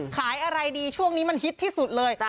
ขายอะไรดีช่วงนี้มันฮิตที่สุดเลย